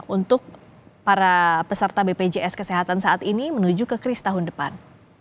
untuk para peserta bpjs kesehatan saat ini menuju ke kris tahun depan